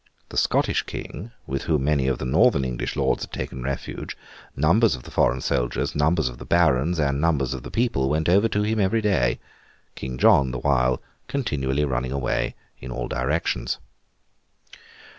The Scottish King, with whom many of the Northern English Lords had taken refuge, numbers of the foreign soldiers, numbers of the Barons, and numbers of the people went over to him every day;—King John, the while, continually running away in all directions.